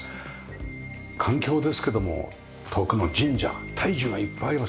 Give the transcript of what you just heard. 環境ですけども奥の神社大樹がいっぱいあります。